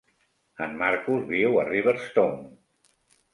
En Markus viu a Riverstone.